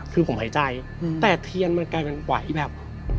คือผมหายใจแต่เทียนมันกลายเป็นไหวแบบ